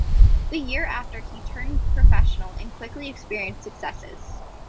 The year after he turned professional and quickly experienced success.